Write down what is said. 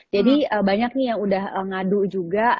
banyak nih yang udah ngadu juga